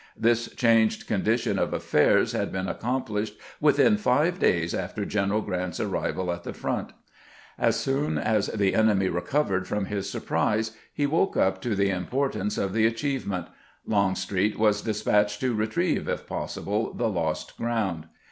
This changed condition of affairs had been accomplished within five days after General Grant's arrival at the front. As soon as the enemy recovered from his surprise, he woke up to the importance of the achievement ; Long street was despatched to retrieve, if possible, the lost ground.